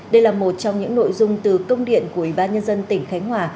đây là một trong những nội dung từ công điện của ủy ban nhân dân tỉnh khánh hòa